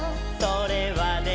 「それはね」